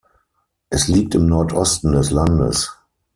Es liegt im Nordosten des Landes.